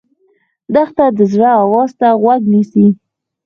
دښته د زړه آواز ته غوږ نیسي.